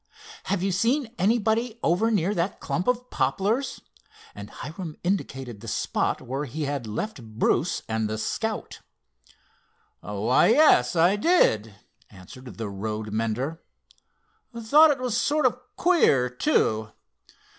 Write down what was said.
"Have you seen anybody over near that clump of poplars?" and Hiram indicated the spot where he had left Bruce and the Scout. "Why, yes, I did," answered the road mender. "Thought it was sort of queer, too.